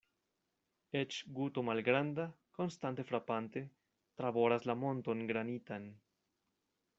Eĉ guto malgranda, konstante frapante, traboras la monton granitan.